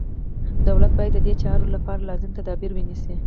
دولت باید ددې چارو لپاره لازم تدابیر ونیسي.